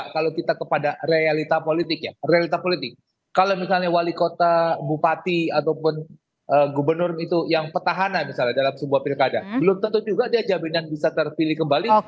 kalau kita kepada realita politik ya realita politik kalau misalnya wali kota bupati ataupun gubernur itu yang petahana misalnya dalam sebuah pilkada belum tentu juga dia jaminan bisa terpilih kembali